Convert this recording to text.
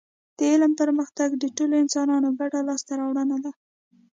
د علم پرمختګ د ټولو انسانانو ګډه لاسته راوړنه ده